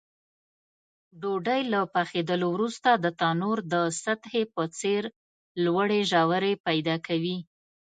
ډوډۍ له پخېدلو وروسته د تنور د سطحې په څېر لوړې ژورې پیدا کوي.